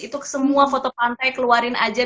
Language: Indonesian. itu semua foto pantai keluarin aja